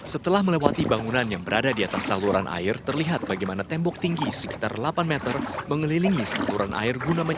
setelah melewati bangunan yang berada di atas saluran air terlihat bagaimana tembok tinggi sekitar delapan meter mengelilingi saluran air